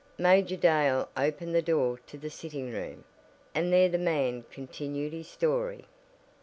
Major Dale opened the door to the sitting room, and there the man continued his story.